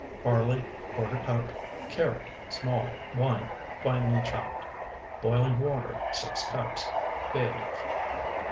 Barley, ¼ cup. Carrot, small, 1, finely chopped. Boiling water, 6 cups. Bay leaf.